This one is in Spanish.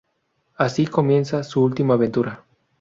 Así comienza su última aventura.